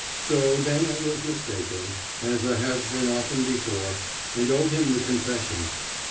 So then I was mistaken, as I have been often before, and owe him the confession.